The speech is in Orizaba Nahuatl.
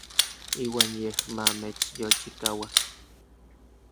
Iuan yej ma mechyolchikaua.